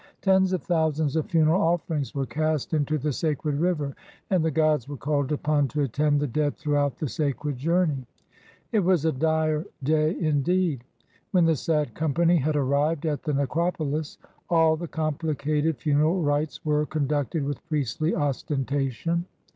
Tens of thousands of funeral offerings were cast into the sacred river, and the gods were called upon to attend the dead throughout the sacred journey. It was a dire day, indeed. When the sad company had arrived at the necropolis, all the complicated funeral rites were conducted with priestly ostentation.